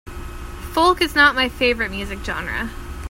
Folk is not my favorite music genre.